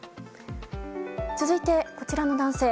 続いて、こちらの男性。